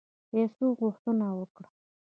پیسو غوښتنه وکړه.